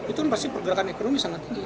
itu pasti pergerakan ekonomi sangat tinggi